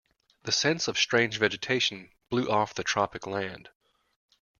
The scents of strange vegetation blew off the tropic land.